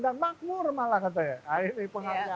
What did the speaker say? dan makmur malah katanya